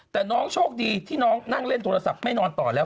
แต่น้องโชคดีที่น้องนั่งเล่นโทรศัพท์ไม่นอนต่อแล้ว